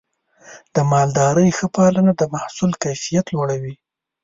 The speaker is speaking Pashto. د مالدارۍ ښه پالنه د محصول کیفیت لوړوي.